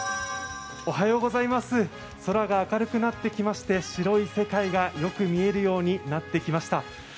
空が明るくなってきまして、白い世界がよく見えるようになってきました。